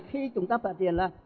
khi chúng ta tạo tiền là